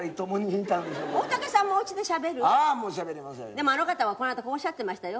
でもあの方はこの間こうおっしゃってましたよ。